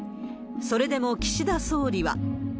それでも、岸田総理は。